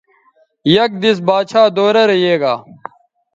یک دیس باچھا دورہ رے یے گا